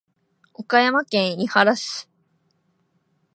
岡山県井原市